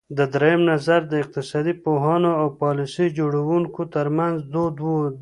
درېیم نظر د اقتصاد پوهانو او پالیسۍ جوړوونکو ترمنځ دود دی.